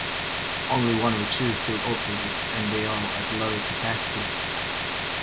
Only one or two still operate and they are at low capacity.